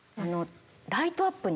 ライトアップに。